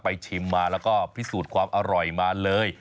ชิมมาแล้วก็พิสูจน์ความอร่อยมาเลย